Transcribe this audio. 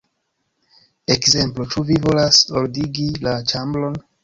Ekzemplo: 'Ĉu vi volas ordigi la ĉambron?